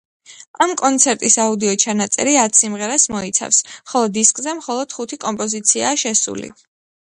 ამ კონცერტის აუდიო ჩანაწერი ათ სიმღერას მოიცავს, ხოლო დისკზე მხოლოდ ხუთი კომპოზიციაა შესული.